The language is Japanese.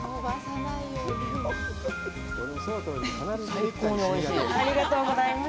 最高においしいです。